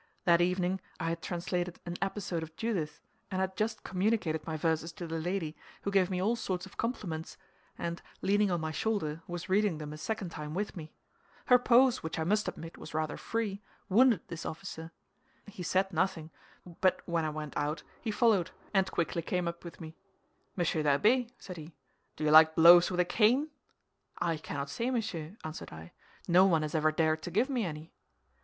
That evening I had translated an episode of Judith, and had just communicated my verses to the lady, who gave me all sorts of compliments, and leaning on my shoulder, was reading them a second time with me. Her pose, which I must admit was rather free, wounded this officer. He said nothing; but when I went out he followed, and quickly came up with me. 'Monsieur the Abbé,' said he, 'do you like blows with a cane?' 'I cannot say, monsieur,' answered I; 'no one has ever dared to give me any.